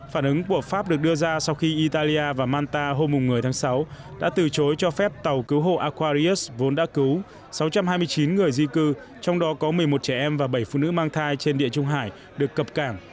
phản ứng của pháp được đưa ra sau khi italia và manta hôm một mươi tháng sáu đã từ chối cho phép tàu cứu hộ aquarius vốn đã cứu sáu trăm hai mươi chín người di cư trong đó có một mươi một trẻ em và bảy phụ nữ mang thai trên địa trung hải được cập cảng